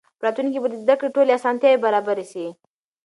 په راتلونکي کې به د زده کړې ټولې اسانتیاوې برابرې سي.